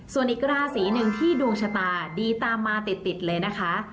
ส่วนอีกราศีหนึ่งที่ดวงชะตาดีตามมาติดเลยนะคะ